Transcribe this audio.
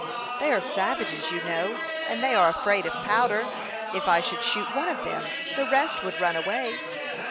"They are savages, you know; and they are afraid of powder. If I should shoot one of them, the rest would run away."